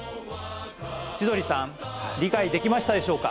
千鳥さん理解できましたでしょうか？